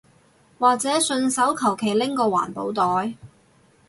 或者順手求其拎個環保袋